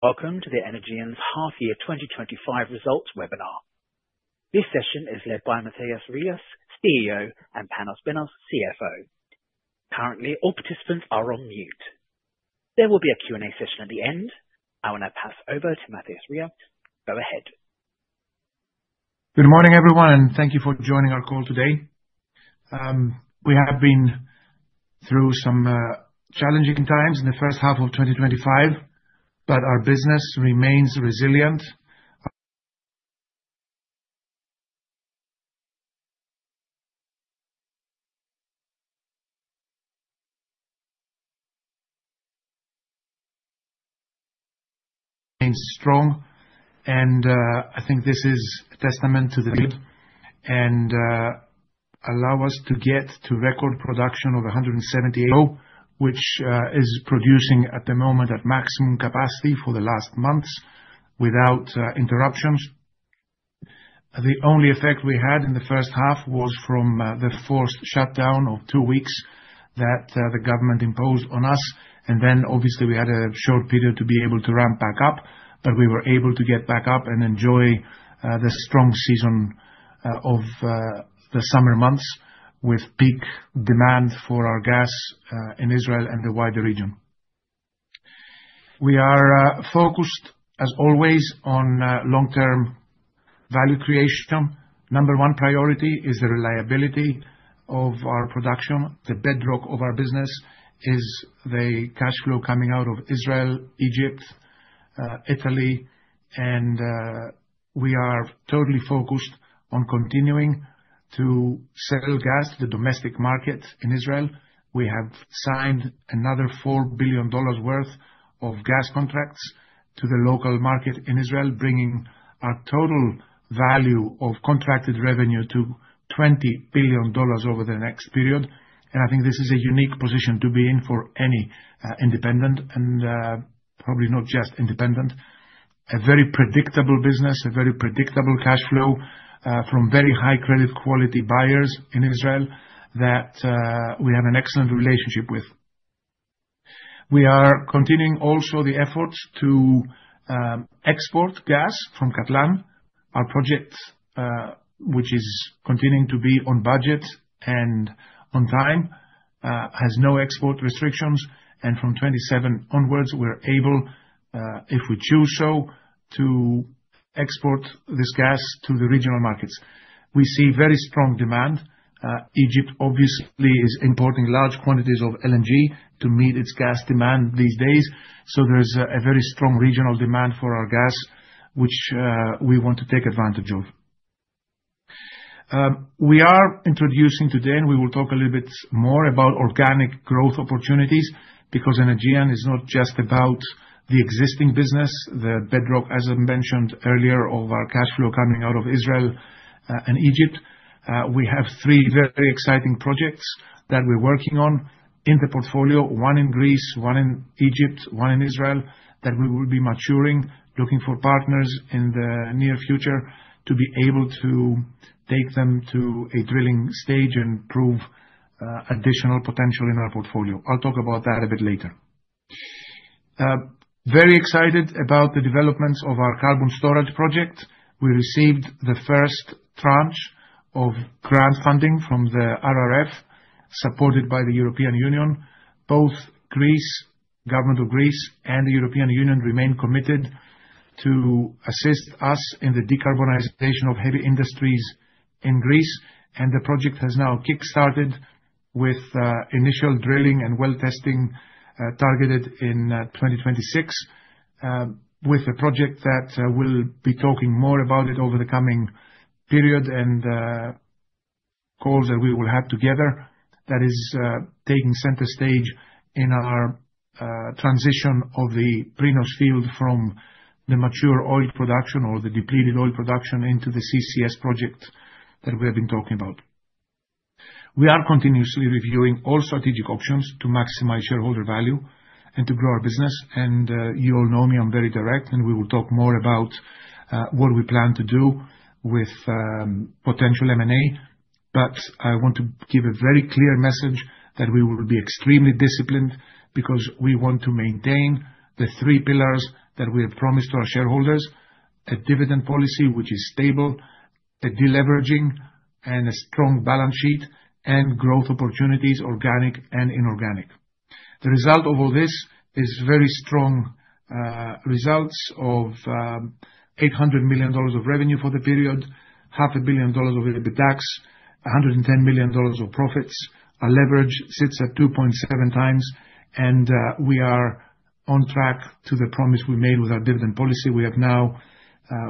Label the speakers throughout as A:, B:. A: Welcome to the Energean's half-year 2025 results webinar. This session is led by Mathios Rigas, CEO, and Panos Benos, CFO. Currently, all participants are on mute. There will be a Q&A session at the end. I will now pass over to Mathios Rigas. Go ahead.
B: Good morning, everyone, and thank you for joining our call today. We have been through some challenging times in the first half of 2025, but our business remains resilient, remains strong, and I think this is a testament to the [team] and allow us to get to record production of 178, which is producing at the moment at maximum capacity for the last months without interruptions. The only effect we had in the first half was from the forced shutdown of two weeks that the government imposed on us. And then, obviously, we had a short period to be able to ramp back up, but we were able to get back up and enjoy the strong season of the summer months with peak demand for our gas in Israel and the wider region. We are focused, as always, on long-term value creation. Number one priority is the reliability of our production. The bedrock of our business is the cash flow coming out of Israel, Egypt, Italy, and we are totally focused on continuing to sell gas to the domestic market in Israel. We have signed another $4 billion worth of gas contracts to the local market in Israel, bringing our total value of contracted revenue to $20 billion over the next period, and I think this is a unique position to be in for any independent and probably not just independent. A very predictable business, a very predictable cash flow, from very high credit quality buyers in Israel that we have an excellent relationship with. We are continuing also the efforts to export gas from Katlan. Our project, which is continuing to be on budget and on time, has no export restrictions. And from 2027 onwards, we're able, if we choose so, to export this gas to the regional markets. We see very strong demand. Egypt obviously is importing large quantities of LNG to meet its gas demand these days. So there's a very strong regional demand for our gas, which we want to take advantage of. We are introducing today, and we will talk a little bit more about organic growth opportunities because Energean is not just about the existing business, the bedrock, as I mentioned earlier, of our cash flow coming out of Israel and Egypt. We have three very exciting projects that we're working on in the portfolio: one in Greece, one in Egypt, one in Israel that we will be maturing, looking for partners in the near future to be able to take them to a drilling stage and prove additional potential in our portfolio. I'll talk about that a bit later. Very excited about the developments of our carbon storage project. We received the first tranche of grant funding from the RRF, supported by the European Union. Both Greece government of Greece and the European Union remain committed to assist us in the decarbonization of heavy industries in Greece, and the project has now kickstarted with initial drilling and well testing targeted in 2026, with a project that we'll be talking more about it over the coming period and calls that we will have together that is taking center stage in our transition of the Prinos field from the mature oil production or the depleted oil production into the CCS project that we have been talking about. We are continuously reviewing all strategic options to maximize shareholder value and to grow our business. You all know me. I'm very direct, and we will talk more about what we plan to do with potential M&A. I want to give a very clear message that we will be extremely disciplined because we want to maintain the three pillars that we have promised to our shareholders: a dividend policy, which is stable, a deleveraging, and a strong balance sheet and growth opportunities, organic and inorganic. The result of all this is very strong results of $800 million of revenue for the period, $500 million of EBITDAX, $110 million of profits. Our leverage sits at 2.7x, and we are on track to the promise we made with our dividend policy. We have now,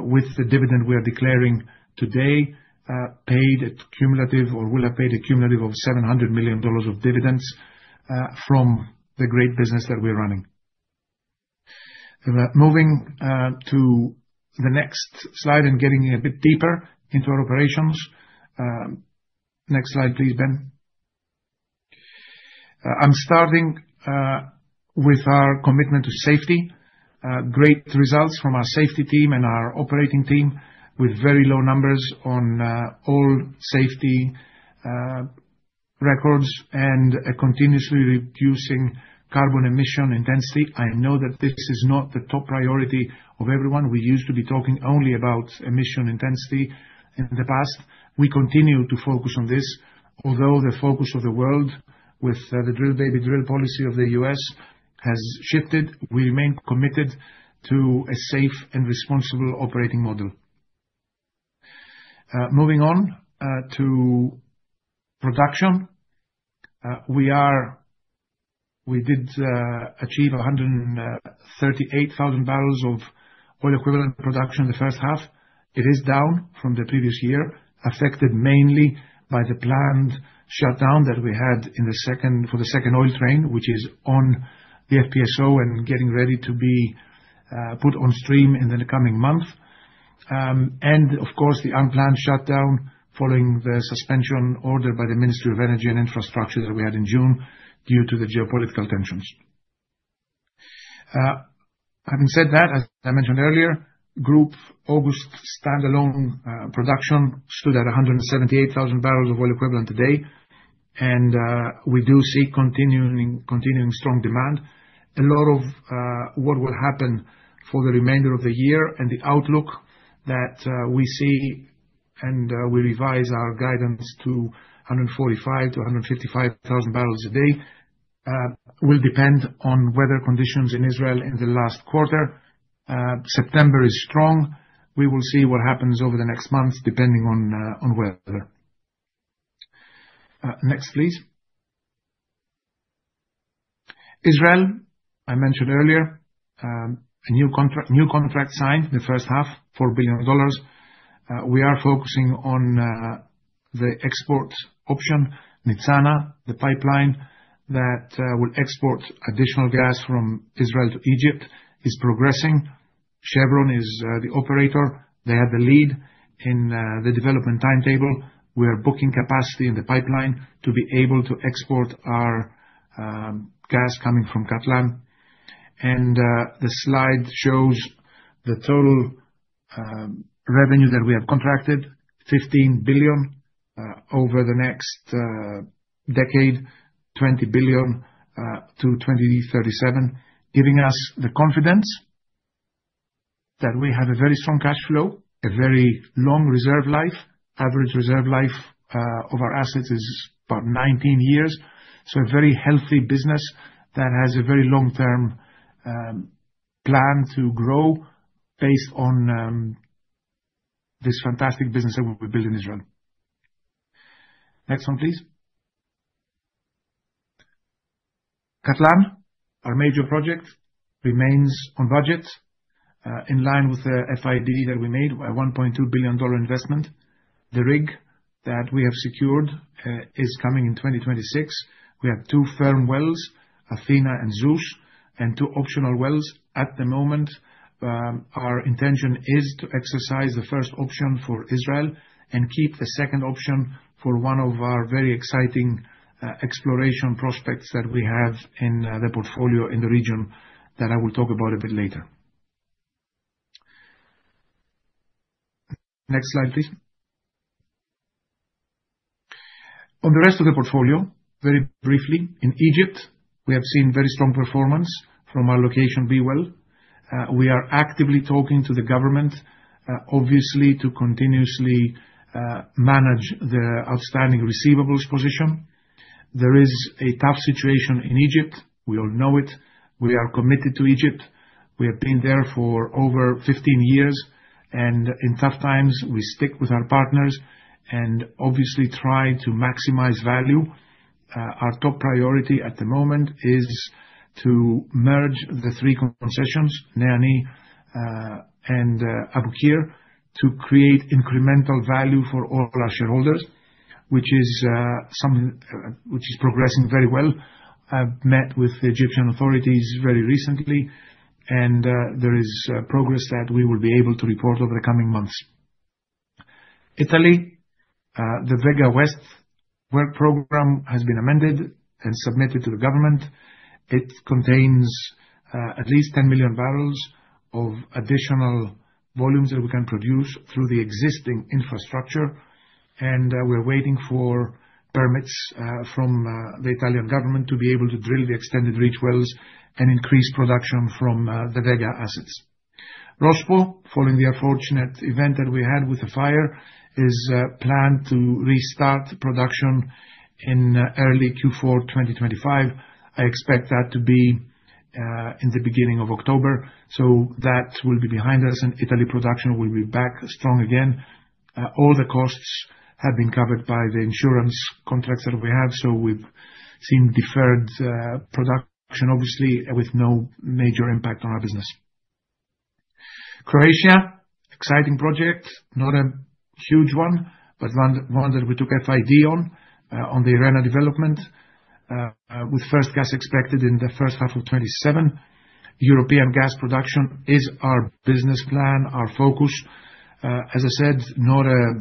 B: with the dividend we are declaring today, paid a cumulative or will have paid a cumulative of $700 million of dividends, from the great business that we are running. Moving to the next slide and getting a bit deeper into our operations. Next slide, please, Ben. I'm starting with our commitment to safety. Great results from our safety team and our operating team with very low numbers on all safety records and a continuously reducing carbon emission intensity. I know that this is not the top priority of everyone. We used to be talking only about emission intensity in the past. We continue to focus on this, although the focus of the world with the drill baby drill policy of the U.S. has shifted. We remain committed to a safe and responsible operating model. Moving on to production, we did achieve 138,000 barrels of oil equivalent production in the first half. It is down from the previous year, affected mainly by the planned shutdown that we had in the second for the second oil train, which is on the FPSO and getting ready to be put on stream in the coming month, and of course, the unplanned shutdown following the suspension order by the Ministry of Energy and Infrastructure that we had in June due to the geopolitical tensions. Having said that, as I mentioned earlier, group August standalone production stood at 178,000 barrels of oil equivalent today. We do see continuing strong demand. A lot of what will happen for the remainder of the year and the outlook that we see and we revise our guidance to 145,000-155,000 barrels a day will depend on weather conditions in Israel in the last quarter. September is strong. We will see what happens over the next month depending on weather. Next, please. Israel, I mentioned earlier, a new contract signed the first half, $4 billion. We are focusing on the export option, Nitzana, the pipeline that will export additional gas from Israel to Egypt is progressing. Chevron is the operator. They have the lead in the development timetable. We are booking capacity in the pipeline to be able to export our gas coming from Katlan. The slide shows the total revenue that we have contracted, $15 billion over the next decade, $20 billion to 2037, giving us the confidence that we have a very strong cash flow, a very long reserve life. Average reserve life of our assets is about 19 years. So a very healthy business that has a very long-term plan to grow based on this fantastic business that we've built in Israel. Next one, please. Katlan, our major project remains on budget, in line with the FID that we made by $1.2 billion investment. The rig that we have secured is coming in 2026. We have two firm wells, Athena and Zeus, and two optional wells at the moment. Our intention is to exercise the first option for Israel and keep the second option for one of our very exciting exploration prospects that we have in the portfolio in the region that I will talk about a bit later. Next slide, please. On the rest of the portfolio, very briefly, in Egypt, we have seen very strong performance from our Location B well. We are actively talking to the government, obviously to continuously manage the outstanding receivables position. There is a tough situation in Egypt. We all know it. We are committed to Egypt. We have been there for over 15 years, and in tough times, we stick with our partners and obviously try to maximize value. Our top priority at the moment is to merge the three concessions, NEA/NI and Abu Qir, to create incremental value for all our shareholders, which is something which is progressing very well. I've met with the Egyptian authorities very recently, and there is progress that we will be able to report over the coming months. Italy, the Vega West work program has been amended and submitted to the government. It contains at least 10 million barrels of additional volumes that we can produce through the existing infrastructure. We're waiting for permits from the Italian government to be able to drill the extended reach wells and increase production from the Vega assets. Rospo, following the unfortunate event that we had with the fire, is planned to restart production in early Q4 2025. I expect that to be in the beginning of October. So that will be behind us and Italy production will be back strong again. All the costs have been covered by the insurance contracts that we have. So we've seen deferred production, obviously, with no major impact on our business. Croatia, exciting project, not a huge one, but one that we took FID on, on the Irena development, with first gas expected in the first half of 2027. European gas production is our business plan, our focus, as I said, not a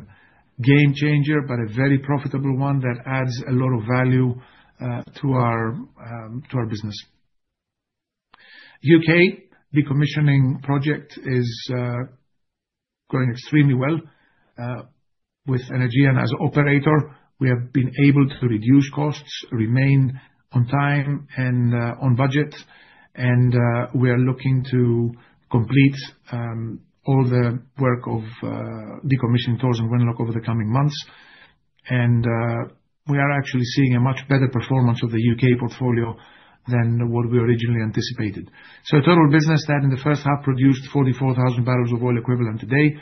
B: game changer, but a very profitable one that adds a lot of value to our business. U.K. decommissioning project is going extremely well, with Energean as operator, we have been able to reduce costs, remain on time and on budget, and we are looking to complete all the work of decommissioning Tors and Wenlock over the coming months, and we are actually seeing a much better performance of the U.K. portfolio than what we originally anticipated. So total business that in the first half produced 44,000 barrels of oil equivalent today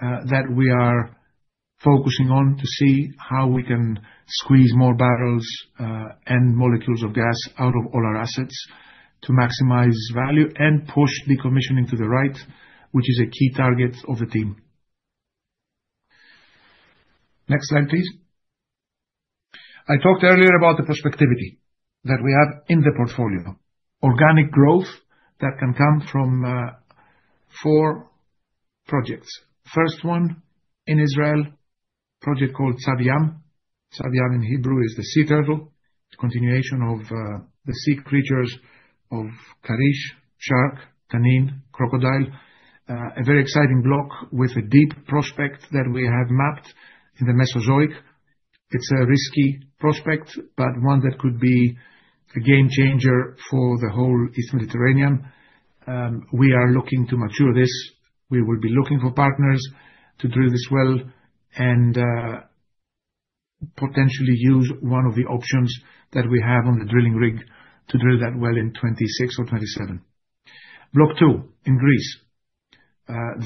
B: that we are focusing on to see how we can squeeze more barrels and molecules of gas out of all our assets to maximize value and push decommissioning to the right, which is a key target of the team. Next slide, please. I talked earlier about the prospectivity that we have in the portfolio, organic growth that can come from four projects. First one in Israel, project called Tzav Yam. Tzav Yam in Hebrew is the sea turtle, the continuation of the sea creatures of Karish, shark, Tanin, crocodile. A very exciting block with a deep prospect that we have mapped in the Mesozoic. It's a risky prospect, but one that could be a game changer for the whole East Mediterranean. We are looking to mature this. We will be looking for partners to drill this well and potentially use one of the options that we have on the drilling rig to drill that well in 2026 or 2027. Block 2 in Greece,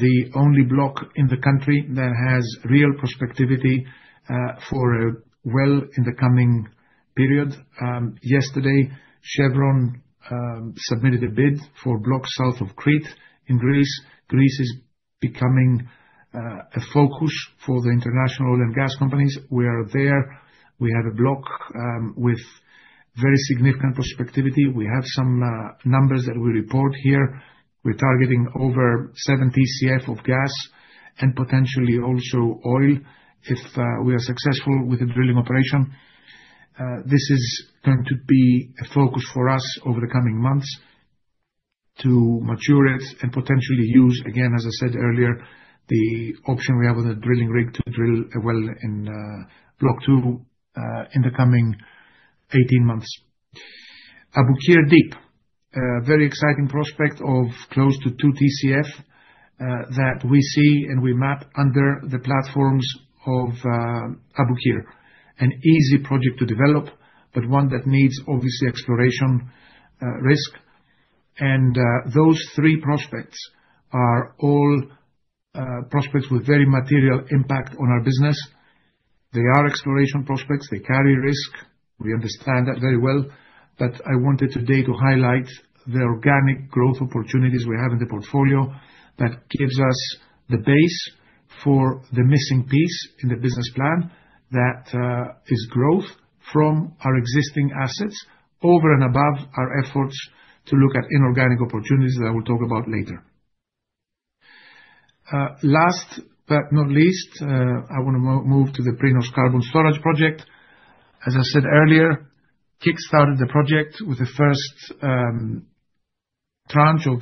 B: the only block in the country that has real prospectivity for a well in the coming period. Yesterday, Chevron submitted a bid for block south of Crete in Greece. Greece is becoming a focus for the international oil and gas companies. We are there. We have a block with very significant prospectivity. We have some numbers that we report here. We're targeting over 70 TCF of gas and potentially also oil if we are successful with the drilling operation. This is going to be a focus for us over the coming months to mature it and potentially use again, as I said earlier, the option we have on the drilling rig to drill a well in Block 2 in the coming 18 months. Abu Qir Deep, very exciting prospect of close to 2 TCF that we see and we map under the platforms of Abu Qir. An easy project to develop, but one that needs obviously exploration risk. Those three prospects are all prospects with very material impact on our business. They are exploration prospects. They carry risk. We understand that very well but I wanted today to highlight the organic growth opportunities we have in the portfolio that gives us the base for the missing piece in the business plan that is growth from our existing assets over and above our efforts to look at inorganic opportunities that I will talk about later. Last but not least, I want to move to the Prinos Carbon Storage project. As I said earlier, kickstarted the project with the first tranche of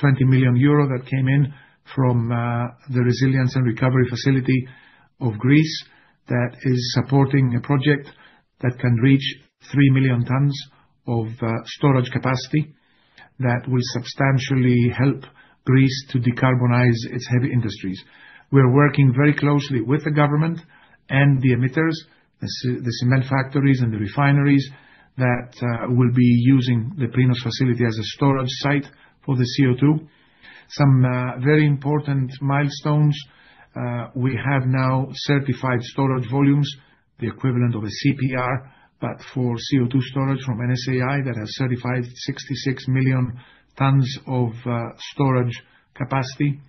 B: 20 million euro that came in from the Recovery and Resilience Facility of Greece that is supporting a project that can reach 3 million tons of storage capacity that will substantially help Greece to decarbonize its heavy industries. We are working very closely with the government and the emitters, the cement factories and the refineries that will be using the Prinos facility as a storage site for the CO2. Some very important milestones. We have now certified storage volumes, the equivalent of a CPR, but for CO2 storage from NSAI that has certified 66 million tons of storage capacity.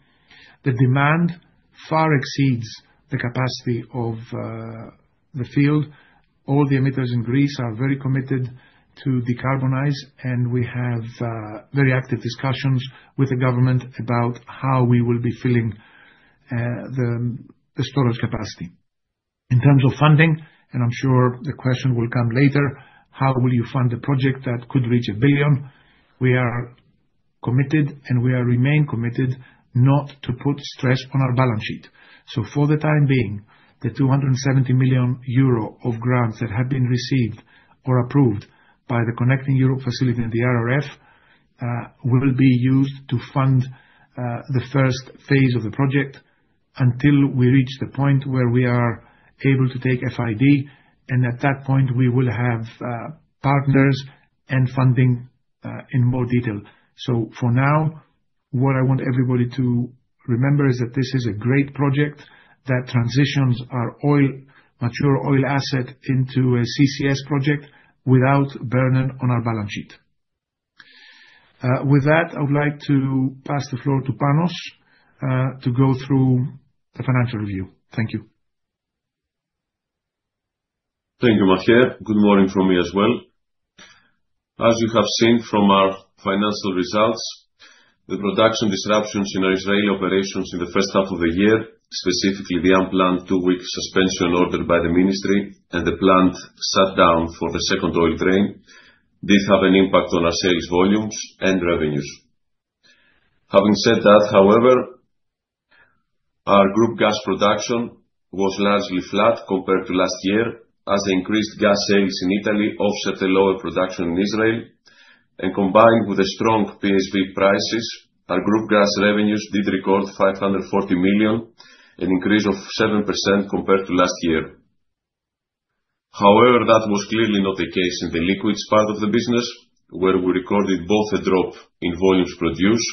B: The demand far exceeds the capacity of the field. All the emitters in Greece are very committed to decarbonize, and we have very active discussions with the government about how we will be filling the storage capacity. In terms of funding, and I'm sure the question will come later, how will you fund the project that could reach $1 billion? We are committed, and we remain committed not to put stress on our balance sheet. For the time being, the 270 million euro of grants that have been received or approved by the Connecting Europe Facility and the RRF will be used to fund the first phase of the project until we reach the point where we are able to take FID. At that point, we will have partners and funding in more detail. For now, what I want everybody to remember is that this is a great project that transitions our oil mature oil asset into a CCS project without burden on our balance sheet. With that, I would like to pass the floor to Panos to go through the financial review. Thank you.
C: Thank you, Mathios. Good morning from me as well. As you have seen from our financial results, the production disruptions in our Israeli operations in the first half of the year, specifically the unplanned two-week suspension ordered by the ministry and the planned shutdown for the second oil train, did have an impact on our sales volumes and revenues. Having said that, however, our group gas production was largely flat compared to last year as the increased gas sales in Italy offset the lower production in Israel, and combined with the strong PSV prices, our group gas revenues did record $540 million, an increase of 7% compared to last year. However, that was clearly not the case in the liquids part of the business, where we recorded both a drop in volumes produced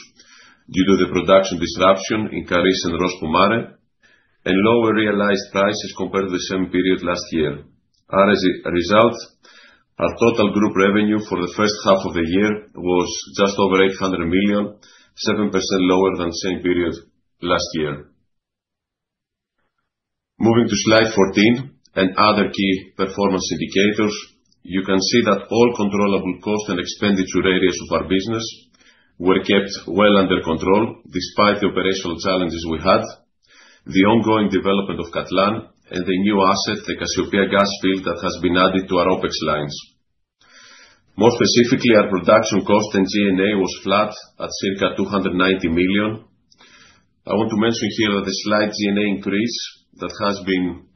C: due to the production disruption in Karish and Rospo Mare, and lower realized prices compared to the same period last year. As a result, our total group revenue for the first half of the year was just over $800 million, 7% lower than the same period last year. Moving to slide 14 and other key performance indicators, you can see that all controllable cost and expenditure areas of our business were kept well under control despite the operational challenges we had, the ongoing development of Katlan and the new asset, the Cassiopea gas field that has been added to our OpEx lines. More specifically, our production cost and G&A was flat at circa $290 million. I want to mention here that the slight G&A increase that has been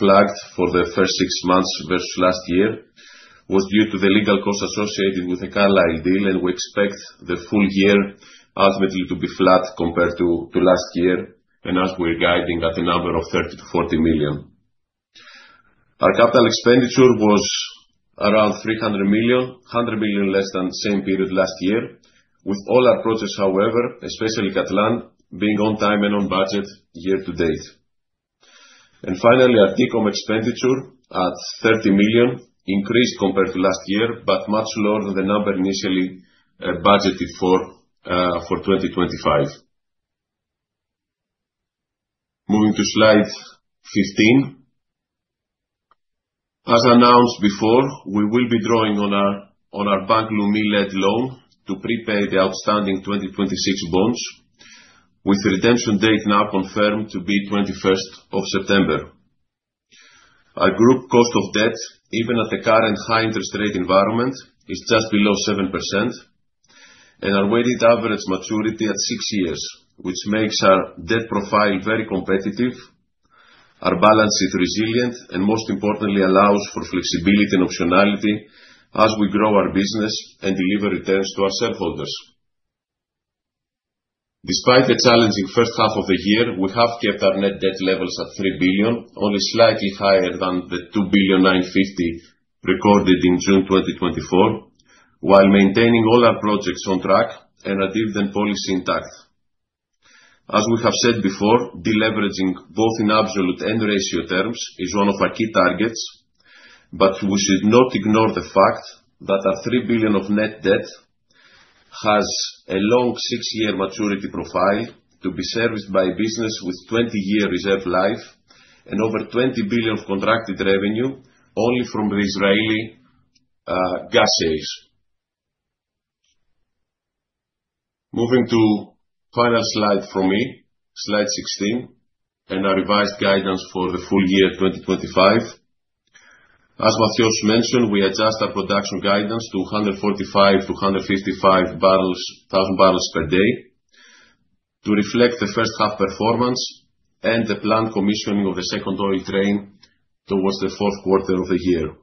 C: flagged for the first six months versus last year was due to the legal cost associated with a Carlisle deal, and we expect the full year ultimately to be flat compared to last year, and as we're guiding at a number of $30 million-$40 million. Our capital expenditure was around $300 million, $100 million less than the same period last year, with all our projects, however, especially Katlan, being on time and on budget year to date. Finally, our decommissioning expenditure at $30 million increased compared to last year, but much lower than the number initially budgeted for 2025. Moving to slide 15. As announced before, we will be drawing on our Bank Leumi-led loan to prepay the outstanding 2026 bonds, with redemption date now confirmed to be 21st of September. Our group cost of debt, even at the current high interest rate environment, is just below 7%, and our weighted average maturity at six years, which makes our debt profile very competitive, our balance sheet resilient, and most importantly, allows for flexibility and optionality as we grow our business and deliver returns to our shareholders. Despite the challenging first half of the year, we have kept our net debt levels at $3 billion, only slightly higher than the $2.95 billion recorded in June 2024, while maintaining all our projects on track and a dividend policy intact. As we have said before, deleveraging both in absolute and ratio terms is one of our key targets, but we should not ignore the fact that our $3 billion of net debt has a long six-year maturity profile to be serviced by a business with 20-year reserve life and over $20 billion of contracted revenue only from the Israeli gas sales. Moving to final slide from me, slide 16, and our revised guidance for the full year 2025. As Mathios mentioned, we adjust our production guidance to 145,000-155,000 barrels per day to reflect the first half performance and the planned commissioning of the second oil train towards the fourth quarter of the year.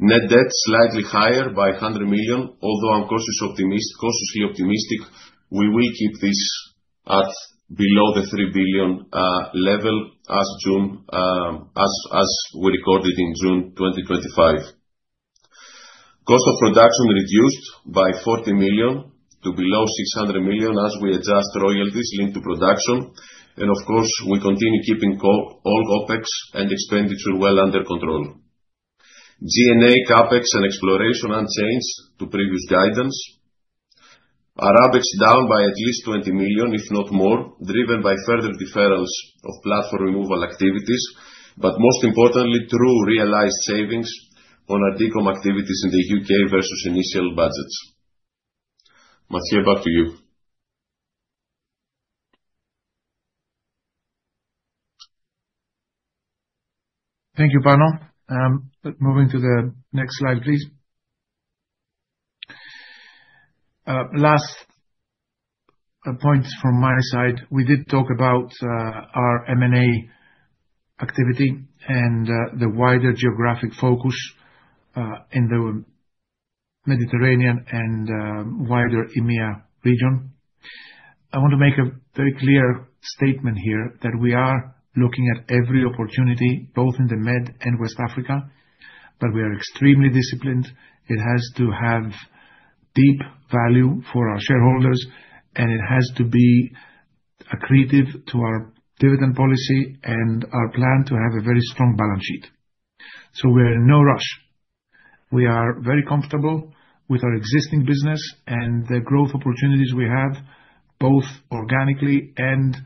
C: Net debt slightly higher by $100 million, although I'm cautiously optimistic, we will keep this at below the $3 billion level as of June, as we recorded in June 2025. Cost of production reduced by $40 million to below $600 million as we adjust royalties linked to production, and of course, we continue keeping all OpEx and expenditure well under control. G&A, CapEx, and exploration unchanged to previous guidance. Our OpEx down by at least $20 million, if not more, driven by further deferrals of platform removal activities, but most importantly, true realized savings on our decom activities in the U.K. versus initial budgets. Mathios, back to you.
B: Thank you, Panos. Moving to the next slide, please. Last point from my side, we did talk about our M&A activity and the wider geographic focus in the Mediterranean and wider EMEA region. I want to make a very clear statement here that we are looking at every opportunity, both in the Med and West Africa, but we are extremely disciplined. It has to have deep value for our shareholders, and it has to be accretive to our dividend policy and our plan to have a very strong balance sheet. So we are in no rush. We are very comfortable with our existing business and the growth opportunities we have, both organically and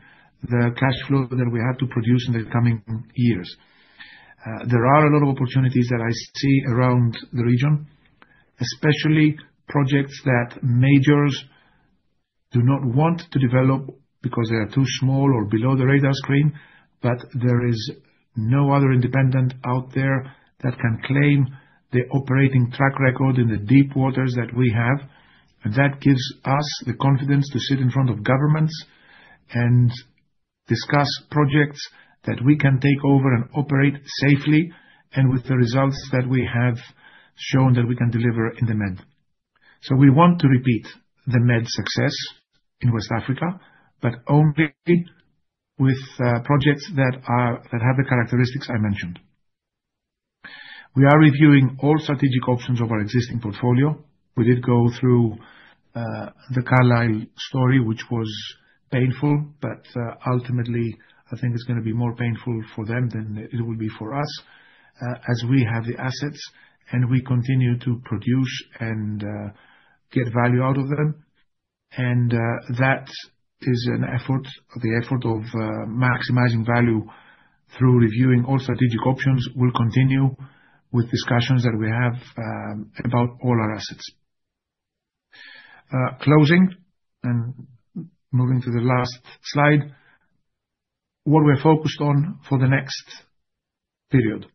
B: the cash flow that we have to produce in the coming years. There are a lot of opportunities that I see around the region, especially projects that majors do not want to develop because they are too small or below the radar screen, but there is no other independent out there that can claim the operating track record in the deep waters that we have. That gives us the confidence to sit in front of governments and discuss projects that we can take over and operate safely and with the results that we have shown that we can deliver in the Med. We want to repeat the Med success in West Africa, but only with projects that have the characteristics I mentioned. We are reviewing all strategic options of our existing portfolio. We did go through the Carlyle story, which was painful, but ultimately, I think it's going to be more painful for them than it will be for us, as we have the assets and we continue to produce and get value out of them. That is an effort of maximizing value through reviewing all strategic options, which will continue with discussions that we have about all our assets. Closing and moving to the last slide, what we're focused on for the next period.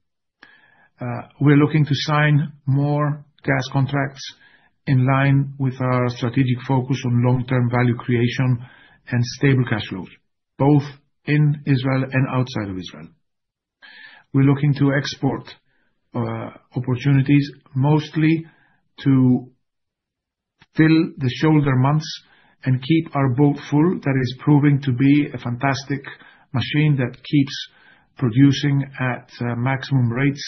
B: We're looking to sign more gas contracts in line with our strategic focus on long-term value creation and stable cash flows, both in Israel and outside of Israel. We're looking to export opportunities mostly to fill the shoulder months and keep our boat full. That is proving to be a fantastic machine that keeps producing at maximum rates,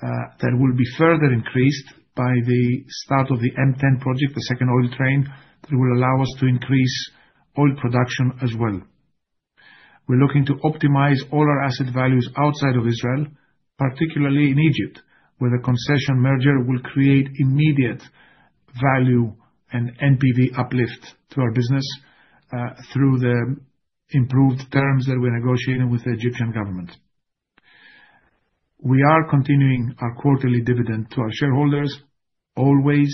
B: that will be further increased by the start of the M10 project, the second oil train that will allow us to increase oil production as well. We're looking to optimize all our asset values outside of Israel, particularly in Egypt, where the concession merger will create immediate value and NPV uplift to our business, through the improved terms that we're negotiating with the Egyptian government. We are continuing our quarterly dividend to our shareholders, always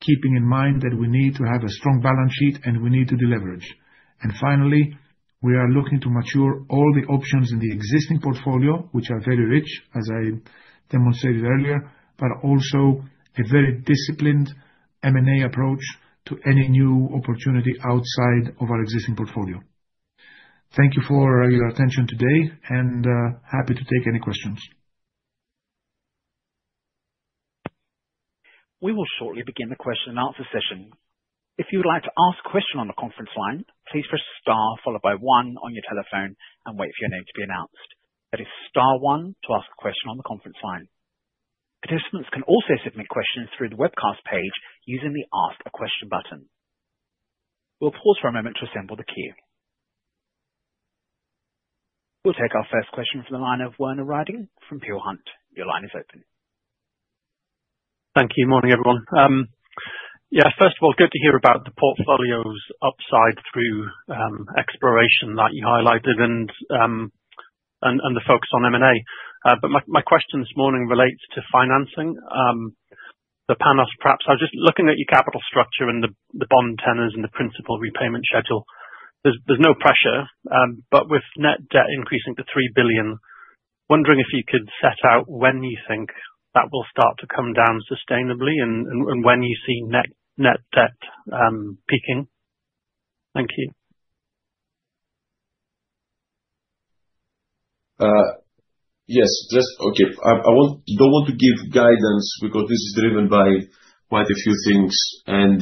B: keeping in mind that we need to have a strong balance sheet and we need to deleverage, and finally, we are looking to mature all the options in the existing portfolio, which are very rich, as I demonstrated earlier, but also a very disciplined M&A approach to any new opportunity outside of our existing portfolio. Thank you for your attention today and happy to take any questions.
A: We will shortly begin the question-and-answer session. If you would like to ask a question on the conference line, please press star followed by one on your telephone and wait for your name to be announced. That is star one to ask a question on the conference line. Participants can also submit questions through the webcast page using the 'Ask a Question' button. We'll pause for a moment to assemble the queue. We'll take our first question from the line of Werner Riding from Peel Hunt. Your line is open.
D: Thank you. Morning, everyone. Yeah, first of all, good to hear about the portfolio's upside through exploration that you highlighted and the focus on M&A. But my question this morning relates to financing. Panos, perhaps I was just looking at your capital structure and the bond tenors and the principal repayment schedule. There's no pressure, but with net debt increasing to $3 billion, wondering if you could set out when you think that will start to come down sustainably and when you see net debt peaking. Thank you.
C: I don't want to give guidance because this is driven by quite a few things and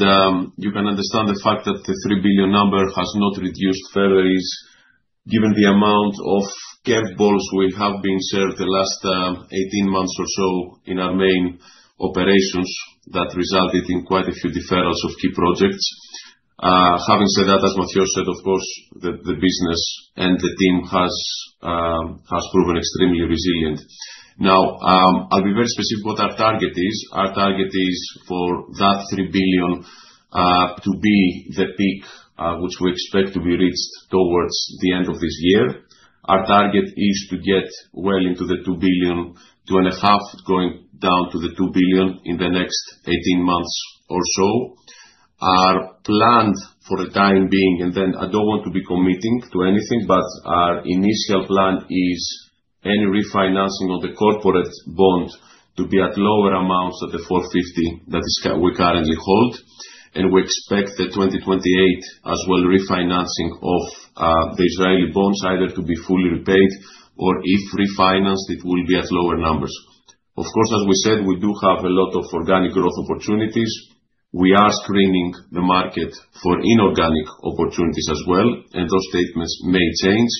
C: you can understand the fact that the $3 billion number has not reduced further is given the amount of curveballs we have been served the last 18 months or so in our main operations that resulted in quite a few deferrals of key projects. Having said that, as Mathios said, of course, the business and the team has proven extremely resilient. Now, I'll be very specific what our target is. Our target is for that $3 billion to be the peak, which we expect to be reached towards the end of this year. Our target is to get well into the $2.5 billion going down to the $2 billion in the next 18 months or so. Our plan for the time being, and then I don't want to be committing to anything, but our initial plan is any refinancing of the corporate bond to be at lower amounts at the 450 that we currently hold. And we expect the 2028 as well refinancing of the Israeli bonds either to be fully repaid or if refinanced, it will be at lower numbers. Of course, as we said, we do have a lot of organic growth opportunities. We are screening the market for inorganic opportunities as well, and those statements may change,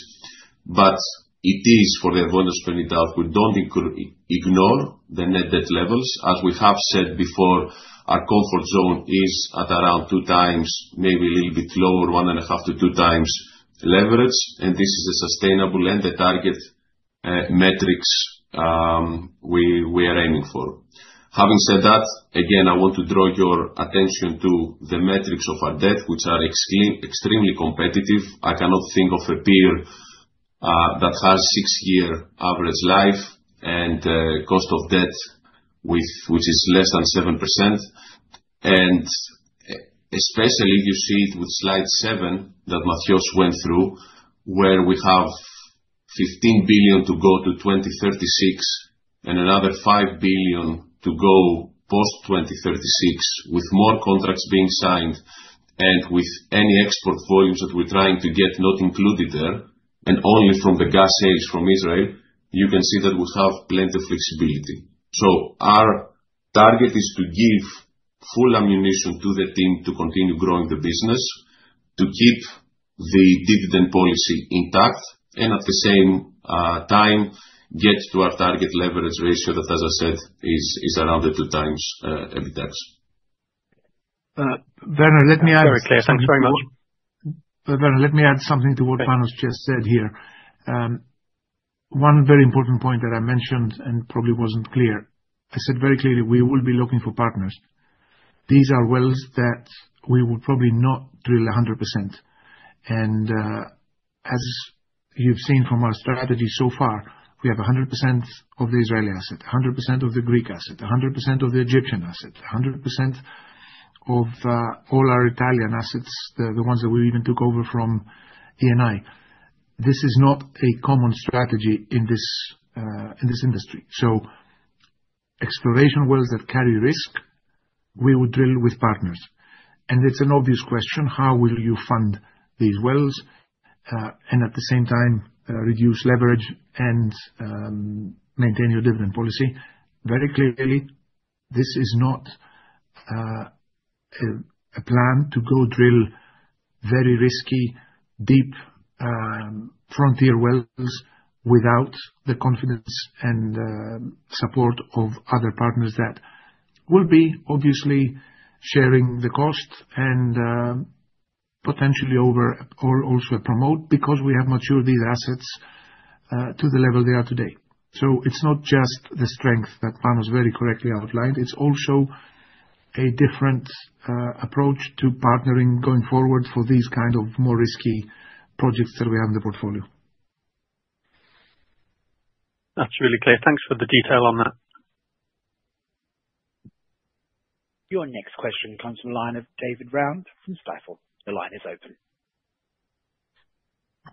C: but it is for the avoidance of doubt to point it out. We don't ignore the Net Debt levels. As we have said before, our comfort zone is at around 2x, maybe a little bit lower, 1.5x-2x leverage, and this is a sustainable and the target metrics we are aiming for. Having said that, again, I want to draw your attention to the metrics of our debt, which are extremely competitive. I cannot think of a peer that has six-year average life and cost of debt which is less than 7%. And especially you see it with slide seven that Mathios went through, where we have $15 billion to go to 2036 and another $5 billion to go post 2036 with more contracts being signed and with any export volumes that we're trying to get not included there and only from the gas sales from Israel, you can see that we have plenty of flexibility. So our target is to give full ammunition to the team to continue growing the business, to keep the dividend policy intact, and at the same time get to our target leverage ratio that, as I said, is around 2x EBITDAX.
B: Werner, let me add something to what Panos just said here. One very important point that I mentioned and probably wasn't clear. I said very clearly we will be looking for partners. These are wells that we will probably not drill 100%. And, as you've seen from our strategy so far, we have 100% of the Israeli asset, 100% of the Greek asset, 100% of the Egyptian asset, 100% of all our Italian assets, the ones that we even took over from Eni. This is not a common strategy in this industry. So exploration wells that carry risk, we would drill with partners. And it's an obvious question, how will you fund these wells, and at the same time, reduce leverage and maintain your dividend policy? Very clearly, this is not a plan to go drill very risky, deep, frontier wells without the confidence and support of other partners that will be obviously sharing the cost and potentially over or also promote because we have matured these assets to the level they are today. So it's not just the strength that Panos very correctly outlined. It's also a different approach to partnering going forward for these kind of more risky projects that we have in the portfolio.
D: That's really clear. Thanks for the detail on that.
A: Your next question comes from the line of David Round from Stifel. The line is open.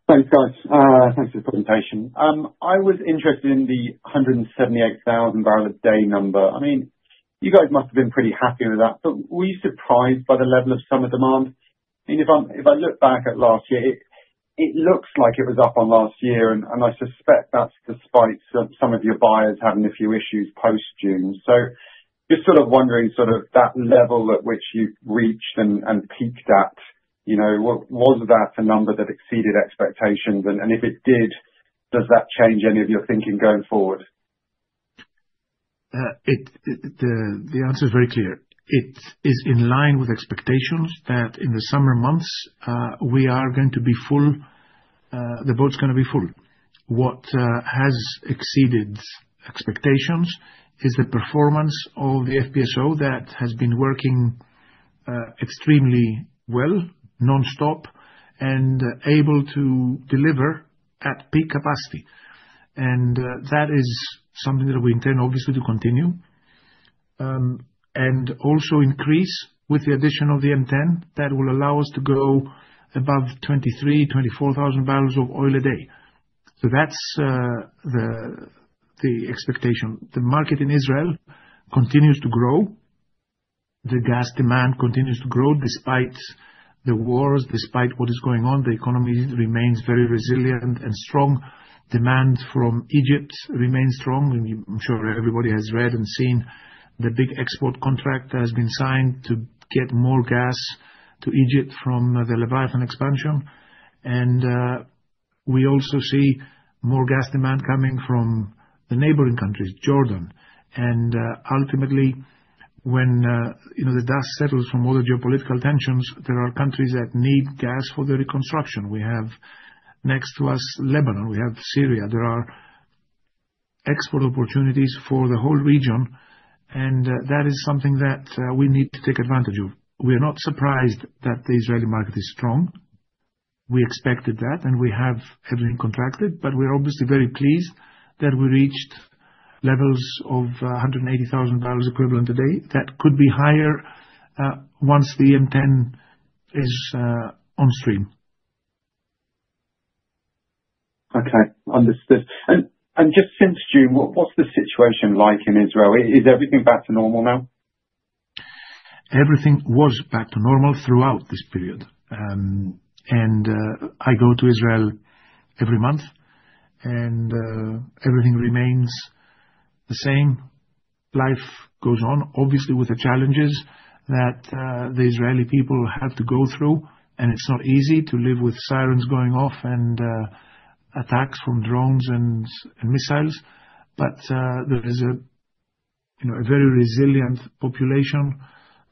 E: Thanks, guys. Thanks for the presentation. I was interested in the 178,000 barrel a day number. I mean, you guys must have been pretty happy with that, but were you surprised by the level of summer demand? I mean, if I look back at last year, it looks like it was up on last year, and I suspect that's despite some of your buyers having a few issues post June. So just sort of wondering sort of that level at which you reached and peaked at, you know, was that a number that exceeded expectations? And if it did, does that change any of your thinking going forward?
B: The answer is very clear. It is in line with expectations that in the summer months, we are going to be full, the boat's going to be full. What has exceeded expectations is the performance of the FPSO that has been working extremely well, nonstop, and able to deliver at peak capacity. And that is something that we intend obviously to continue, and also increase with the addition of the M10 that will allow us to go above 23,000, 24,000 barrels of oil a day. So that's the expectation. The market in Israel continues to grow. The gas demand continues to grow despite the wars, despite what is going on. The economy remains very resilient and strong. Demand from Egypt remains strong. I'm sure everybody has read and seen the big export contract that has been signed to get more gas to Egypt from the Leviathan expansion. And we also see more gas demand coming from the neighboring countries, Jordan. Ultimately, when, you know, the dust settles from all the geopolitical tensions, there are countries that need gas for the reconstruction. We have next to us Lebanon, we have Syria. There are export opportunities for the whole region, and that is something that we need to take advantage of. We are not surprised that the Israeli market is strong. We expected that, and we have everything contracted, but we're obviously very pleased that we reached levels of $180,000 equivalent a day that could be higher, once the M10 is on stream.
E: Okay, understood. And just since June, what's the situation like in Israel? Is everything back to normal now?
B: Everything was back to normal throughout this period. I go to Israel every month, and everything remains the same. Life goes on, obviously, with the challenges that the Israeli people have to go through. And it's not easy to live with sirens going off and attacks from drones and missiles. But there is a you know a very resilient population,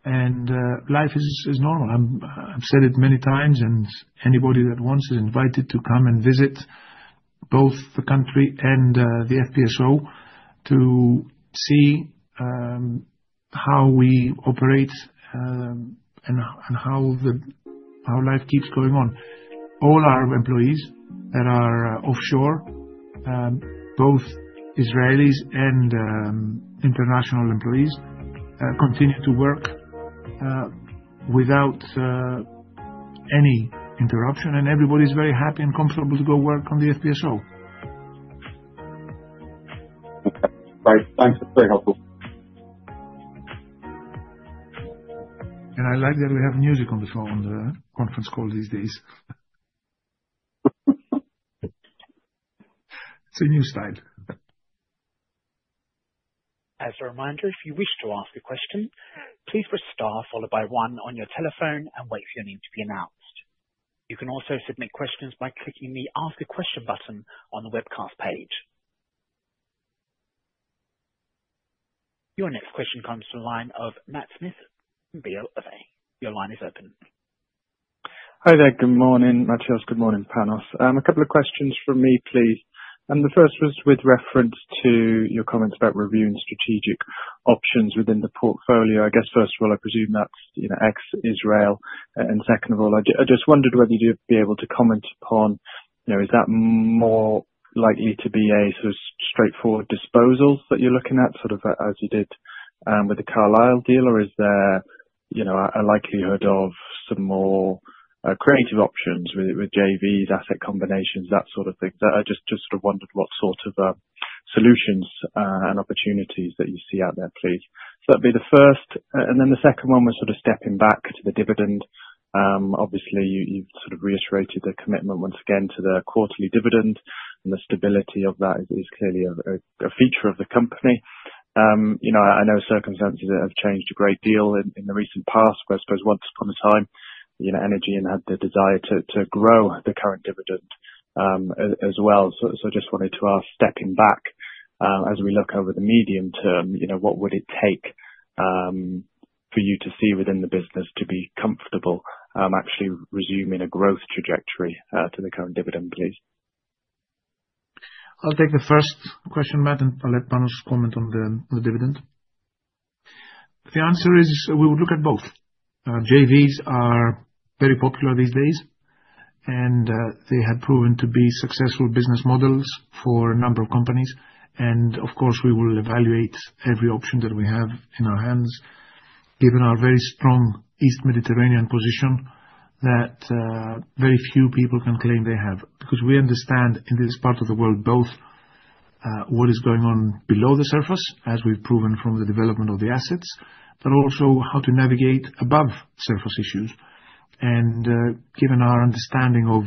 B: and life is normal. I've said it many times, and anybody that wants is invited to come and visit both the country and the FPSO to see how we operate and how life keeps going on. All our employees that are offshore, both Israelis and international employees, continue to work without any interruption, and everybody's very happy and comfortable to go work on the FPSO. Okay, great. Thanks. That's very helpful. And I like that we have music on the phone on the conference call these days. It's a new style.
A: As a reminder, if you wish to ask a question, please press star followed by one on your telephone and wait for your name to be announced. You can also submit questions by clicking the Ask a Question button on the webcast page. Your next question comes from the line of Matt Smith, BoA. Your line is open.
F: Hi there. Good morning, Mathios. Good morning, Panos. A couple of questions from me, please. And the first was with reference to your comments about reviewing strategic options within the portfolio. I guess first of all, I presume that's, you know, ex-Israel. And second of all, I just wondered whether you'd be able to comment upon, you know, is that more likely to be a sort of straightforward disposal that you're looking at, sort of as you did, with the Carlyle deal, or is there, you know, a likelihood of some more, creative options with, with JVs, asset combinations, that sort of thing? So I just sort of wondered what sort of solutions and opportunities that you see out there, please. So that'd be the first. And then the second one was sort of stepping back to the dividend. Obviously, you've sort of reiterated the commitment once again to the quarterly dividend, and the stability of that is clearly a feature of the company. You know, I know circumstances that have changed a great deal in the recent past, but I suppose once upon a time, you know, Energean had the desire to grow the current dividend, as well. So I just wanted to ask, stepping back, as we look over the medium-term, you know, what would it take for you to see within the business to be comfortable actually resuming a growth trajectory to the current dividend, please?
B: I'll take the first question, Matt, and let Panos comment on the dividend. The answer is we would look at both. JVs are very popular these days, and they have proven to be successful business models for a number of companies. And of course, we will evaluate every option that we have in our hands, given our very strong East Mediterranean position that very few people can claim they have, because we understand in this part of the world both what is going on below the surface, as we've proven from the development of the assets, but also how to navigate above surface issues. Given our understanding of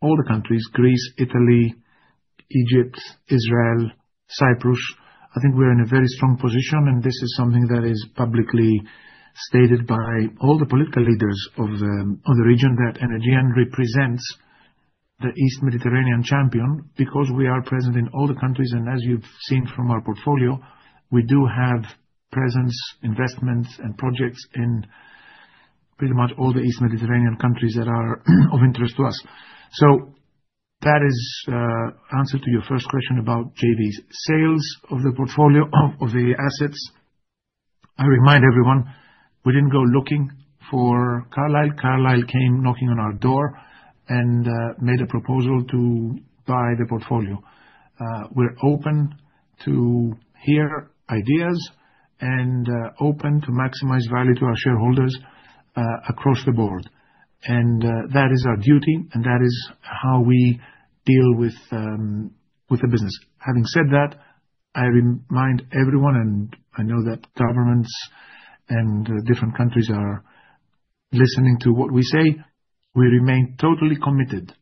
B: all the countries, Greece, Italy, Egypt, Israel, Cyprus, I think we're in a very strong position, and this is something that is publicly stated by all the political leaders of the region that Energean represents the East Mediterranean champion because we are present in all the countries. As you've seen from our portfolio, we do have presence, investments, and projects in pretty much all the East Mediterranean countries that are of interest to us. That is answer to your first question about JVs, sales of the portfolio of the assets. I remind everyone we didn't go looking for Carlyle. Carlyle came knocking on our door and made a proposal to buy the portfolio. We're open to hear ideas and open to maximize value to our shareholders across the board. That is our duty, and that is how we deal with the business. Having said that, I remind everyone, and I know that governments and different countries are listening to what we say. We remain totally committed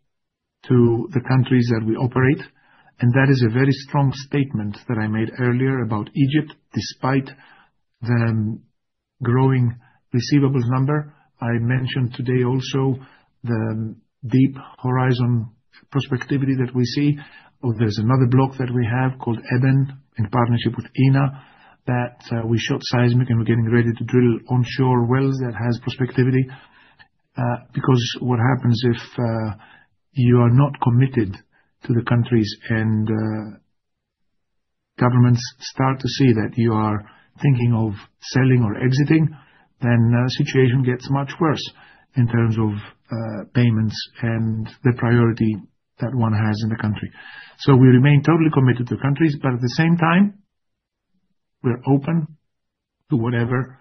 B: to the countries that we operate. That is a very strong statement that I made earlier about Egypt, despite the growing receivables number. I mentioned today also the deep horizon prospectivity that we see. There's another block that we have called EBEN in partnership with ENA that we shot seismic, and we're getting ready to drill onshore wells that has prospectivity. Because what happens if you are not committed to the countries and governments start to see that you are thinking of selling or exiting, then the situation gets much worse in terms of payments and the priority that one has in the country. So we remain totally committed to countries, but at the same time, we're open to whatever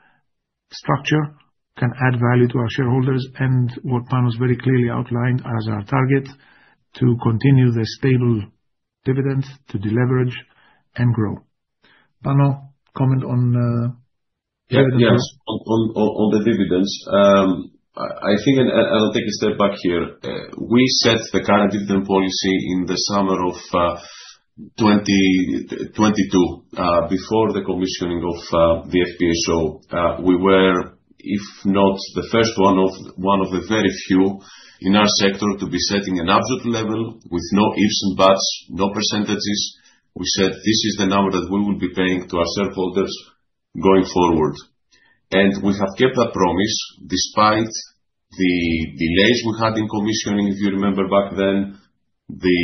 B: structure can add value to our shareholders. And what Panos very clearly outlined as our target to continue the stable dividend, to deleverage and grow. Panos, comment on dividends.
C: Yes, on the dividends. I think, and I'll take a step back here. We set the current dividend policy in the summer of 2022, before the commissioning of the FPSO. We were, if not the first one of, one of the very few in our sector to be setting an absolute level with no ifs and buts, no percentages. We said, "This is the number that we will be paying to our shareholders going forward." And we have kept that promise despite the delays we had in commissioning, if you remember back then, the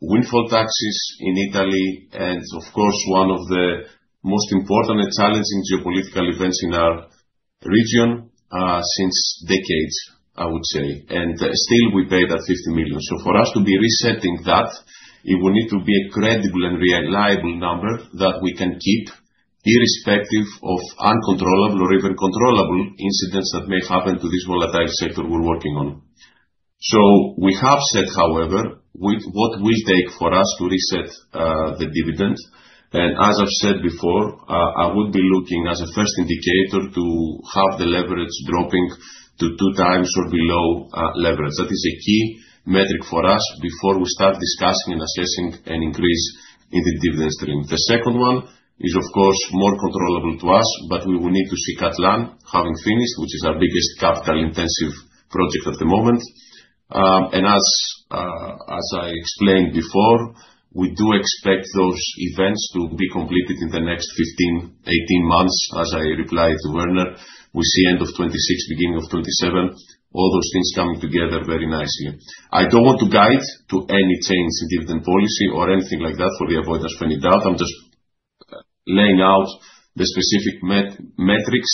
C: windfall taxes in Italy, and of course, one of the most important and challenging geopolitical events in our region, since decades, I would say. And still, we paid that $50 million. So for us to be resetting that, it will need to be a credible and reliable number that we can keep irrespective of uncontrollable or even controllable incidents that may happen to this volatile sector we're working on. So we have set, however, what will take for us to reset, the dividend. And as I've said before, I would be looking as a first indicator to have the leverage dropping to two times or below, leverage. That is a key metric for us before we start discussing and assessing an increase in the dividend stream. The second one is, of course, more controllable to us, but we will need to see Katlan having finished, which is our biggest capital-intensive project at the moment, and as I explained before, we do expect those events to be completed in the next 15, 18 months. As I replied to Werner, we see end of 2026, beginning of 2027, all those things coming together very nicely. I don't want to guide to any change in dividend policy or anything like that for the avoidance of any doubt. I'm just laying out the specific metrics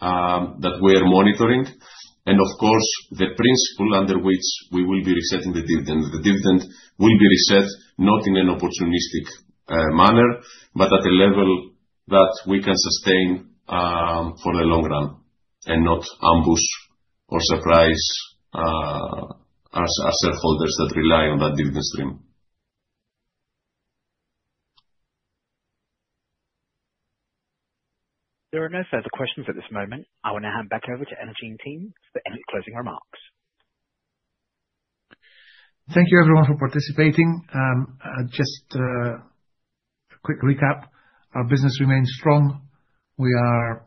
C: that we are monitoring. Of course, the principle under which we will be resetting the dividend, the dividend will be reset, not in an opportunistic manner, but at a level that we can sustain for the long run and not ambush or surprise our shareholders that rely on that dividend stream.
A: There are no further questions at this moment. I will now hand back over to Energean team for any closing remarks.
B: Thank you, everyone, for participating. Just a quick recap. Our business remains strong. We are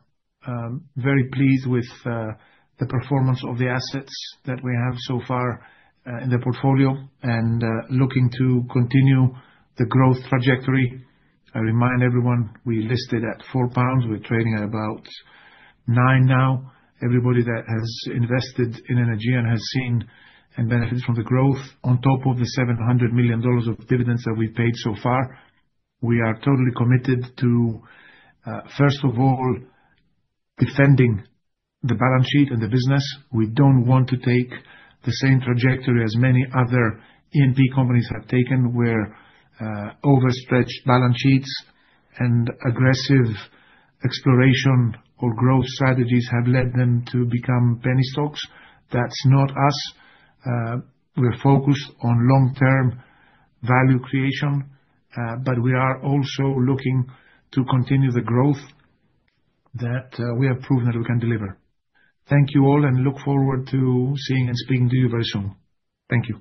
B: very pleased with the performance of the assets that we have so far in the portfolio and looking to continue the growth trajectory. I remind everyone we listed at 4 pounds. We're trading at about 9 now. Everybody that has invested in Energean and has seen and benefited from the growth on top of the $700 million of dividends that we've paid so far. We are totally committed to, first of all, defending the balance sheet and the business. We don't want to take the same trajectory as many other E&P companies have taken, where overstretched balance sheets and aggressive exploration or growth strategies have led them to become penny stocks. That's not us. We're focused on long-term value creation, but we are also looking to continue the growth that we have proven that we can deliver. Thank you all, and look forward to seeing and speaking to you very soon. Thank you.